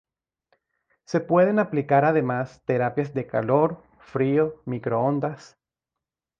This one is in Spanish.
Se pueden aplicar además terapias de calor, frío, microondas...